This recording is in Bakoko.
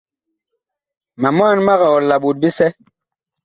Ma mwaan mag ɔl la ɓot bisɛ.